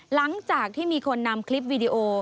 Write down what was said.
หลังจากที่มีคนนำคลิปวีดีโอ